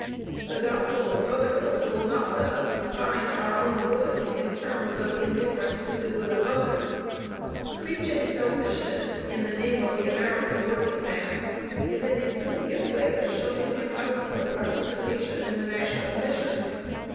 The gospel of brotherhood will not let us define our own good in terms of indifference to the good of others. Preaching selfishness in the name of the American workingman is an insidious way of shutting him out from participation in the national mission.